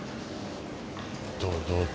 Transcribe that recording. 堂々と。